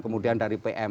kemudian dari pm